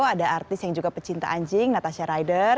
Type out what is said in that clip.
ada artis yang juga pecinta anjing natasha rider